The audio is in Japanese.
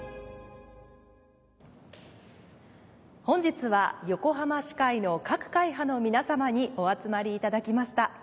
本日は横浜市会の各会派の皆様にお集まりいただきました。